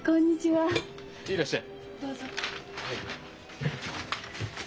はい。